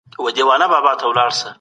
موږ ټول په ګډه کار کوو.